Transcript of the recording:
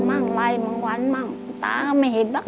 ขอบคุณครับ